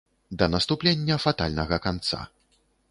Да наступлення фатальнага канца.